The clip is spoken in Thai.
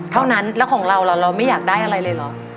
เท่านั้นแล้วของเราล่ะเราไม่อยากได้อะไรเลยเหรอ